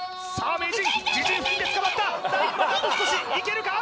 名人自陣付近で捕まったラインまであと少しいけるか？